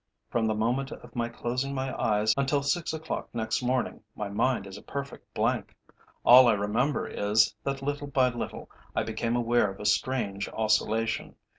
From the moment of my closing my eyes until six o'clock next morning my mind is a perfect blank. All I remember is, that little by little I became aware of a strange oscillation.